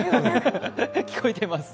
聞こえています。